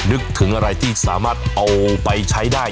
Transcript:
นึกถึงอะไรที่สามารถเอาไปใช้ได้